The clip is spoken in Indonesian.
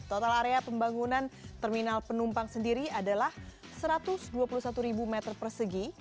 total area pembangunan terminal penumpang sendiri adalah satu ratus dua puluh satu meter persegi